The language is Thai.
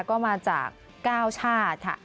ก็มาจาก๙ชาติค่ะ